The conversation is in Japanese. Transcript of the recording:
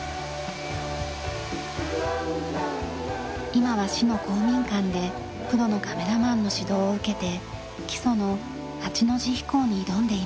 今は市の公民館でプロのカメラマンの指導を受けて基礎の８の字飛行に挑んでいます。